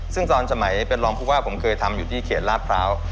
ซึ่งตอนสมัยเป็นรองผู้ว่าผมเคยทำอยู่ที่เขตลาดพร้าว